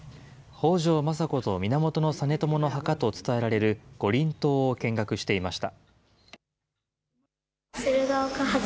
北条政子と源実朝の墓と伝えられる五輪塔を見学していました。